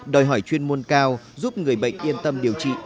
đòi hỏi chuyên môn cao giúp người bệnh yên tâm điều trị